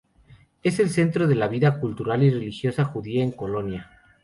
Es el centro de la vida cultural y religiosa judía en Colonia.